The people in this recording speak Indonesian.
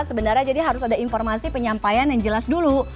sebenarnya jadi harus ada informasi penyampaian yang jelas dulu